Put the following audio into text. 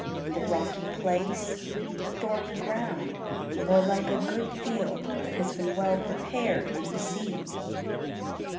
the rocky place? the thorny ground? or like a good field that has been well prepared for the seed?